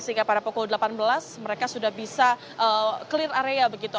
sehingga pada pukul delapan belas mereka sudah bisa clear area begitu